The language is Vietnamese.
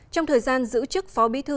trong thời gian giữ chức phó bí thư